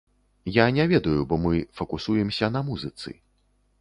Я не ведаю, бо мы факусуемся на музыцы.